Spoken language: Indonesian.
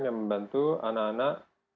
yang membantu anak anak